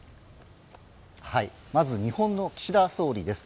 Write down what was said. まず日本の岸田総理です。